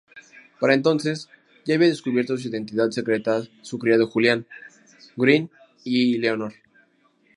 Para entonces, ya habían descubierto su identidad secreta su criado Julián, Greene y Leonor.